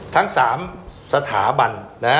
ทั้ง๓สถาบัน